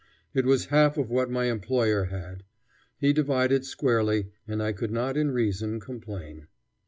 It was half of what my employer had. He divided squarely, and I could not in reason complain.